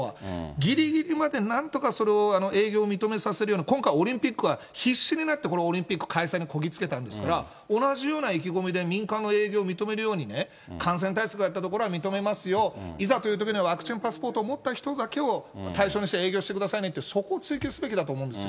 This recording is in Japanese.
ぎりぎりまでなんとかそれを営業を認めさせるような、今回、オリンピックは必死になって、このオリンピック開催にこぎ着けたんですから、同じような意気込みで民間の営業を認めるようにね、感染対策やった所は認めますよ、いざというときには、ワクチンパスポートを持った人だけを対象にした営業をしてくださいねと、そこを追求すべきだと思うんですよ。